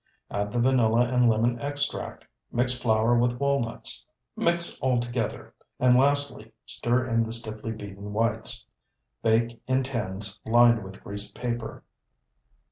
Add the vanilla and lemon extract; mix flour with walnuts; mix all together, and lastly stir in the stiffly beaten whites. Bake in tins lined with greased paper.